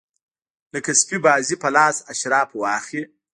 لکه سپي بازي په لاس اشراف واخلي.